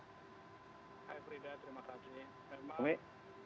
hai frida terima kasih